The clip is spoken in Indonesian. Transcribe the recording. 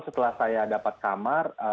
setelah saya dapat kamar